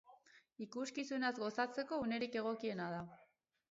Ikuskizunaz gozatzeko unerik egokiena da.